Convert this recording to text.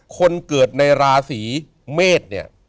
คนเกิดในลาศีเมศ